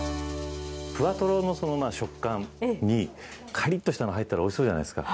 ふわとろの食感にかりっとしたの入ったらおいしそうじゃないですか。